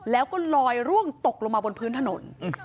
แล้วก็ลอยร่วงตกลงมาบนพื้นถนน